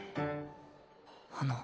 あの。